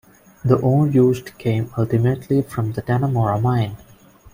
The ore used came ultimately from the Dannemora mine.